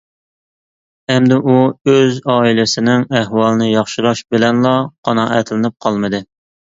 ئەمدى ئۇ ئۆز ئائىلىسىنىڭ ئەھۋالىنى ياخشىلاش بىلەنلا قانائەتلىنىپ قالمىدى.